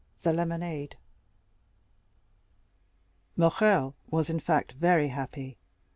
The Lemonade Morrel was, in fact, very happy.